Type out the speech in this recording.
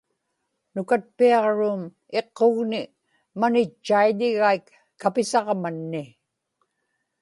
nukatpiaġruum iqqugni manitchaiḷigaik kapisaġmanni